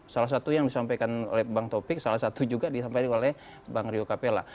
salah satu yang disampaikan oleh bang taufik salah satu juga disampaikan oleh bang rio capella